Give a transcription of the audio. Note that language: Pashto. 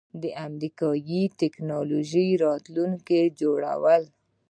د امریکایی ټیکنالوژۍ راتلونکی جوړول